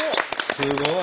すごい！